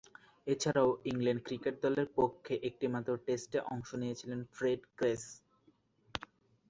এছাড়াও England cricket দলের পক্ষে একটিমাত্র টেস্টে অংশ নিয়েছিলেন ফ্রেড গ্রেস।